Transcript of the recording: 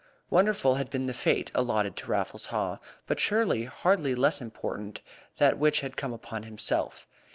Wonderful had been the fate allotted to Raffles Haw, but surely hardly less important that which had come upon himself.